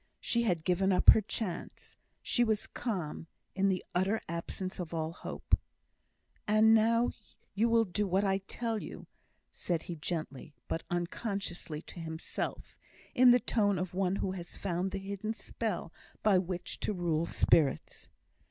She had given up her chance. She was calm, in the utter absence of all hope. "And now you will do what I tell you," said he, gently, but, unconsciously to himself, in the tone of one who has found the hidden spell by which to rule spirits.